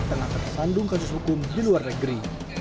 untuk memperoleh kandung kasus hukum di luar negeri